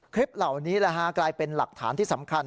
คลิปเหล่านี้กลายเป็นหลักฐานที่สำคัญ